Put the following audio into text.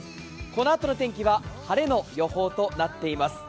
このあとの天気は、晴れの予報となっています。